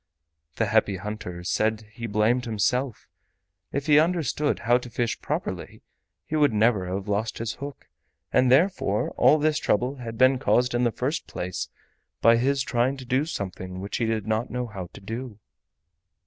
The Happy Hunter said he blamed himself; if he had understood how to fish properly he would never have lost his hook, and therefore all this trouble had been caused in the first place by his trying to do something which he did not know how to do.